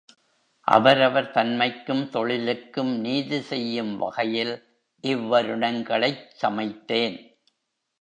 அவரவர் தன்மைக்கும் தொழிலுக்கும் நீதி செய்யும் வகையில் இவ்வருணங்களைச் சமைத்தேன்.